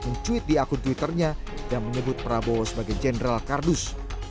mencuit di akun twitternya dan menyebut prabowo sebagai jenderal kardus